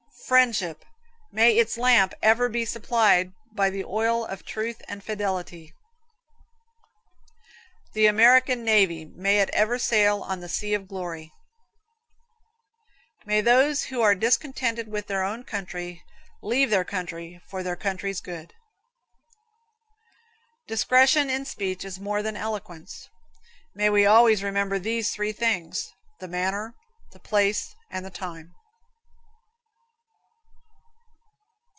Friendship May its lamp ever be supplied by the oil of truth and fidelity. The American Navy May it ever sail on the sea of glory. May those who are discontented with their own country leave their country for their country's good. Discretion in speech is more than eloquence. May we always remember these three things: The manner, the place and the time.